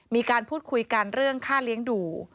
มีการพูดคุยกันเรื่องค่าเลี้ยงดู